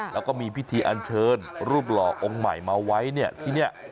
แล้วก็มีพิธีอันเสรินอัลบรอองค์ใหม่มาไว้นี่